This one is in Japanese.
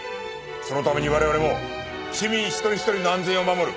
そのために我々も市民一人一人の安全を守る